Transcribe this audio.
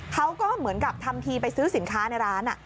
เขาก็เหมือนกับทำทีไปซื้อสินค้าในร้าน